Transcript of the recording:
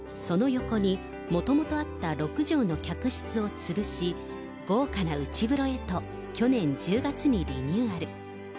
その横に、もともとあった６畳の客室を潰し、豪華な内風呂へと、去年１０月にリニューアル。